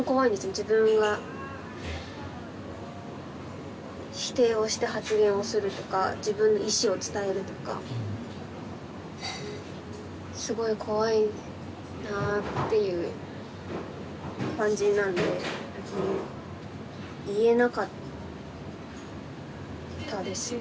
自分が否定をして発言をするとか自分の意思を伝えるとかすごい怖いなぁっていう感じなんで言えなかったですね